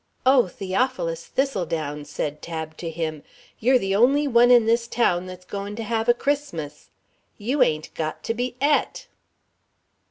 "Oh, Theophilus Thistledown," said Tab to him, "you're the only one in this town that's goin' to have a Christmas. You ain't got to be et."